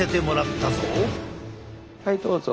はいどうぞ。